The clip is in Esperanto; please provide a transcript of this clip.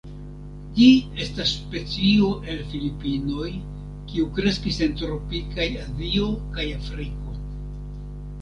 Ĝi estas specio el Filipinoj, kiu kreskis en tropikaj Azio kaj Afriko.